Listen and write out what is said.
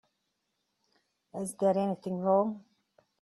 Is there anything wrong?